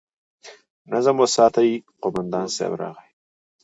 نظم وساتئ! قومندان صيب راغی!